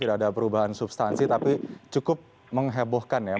tidak ada perubahan substansi tapi cukup menghebohkan ya